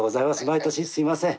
毎年すいません。